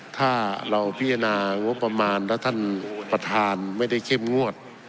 ถ้าเราพิจารณางบประมาณและท่านประธานไม่ได้เข้มงวด